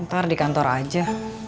entar di kantor aja